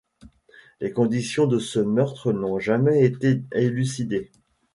Les conditions de ce meurtre n'ont jamais été élucidées.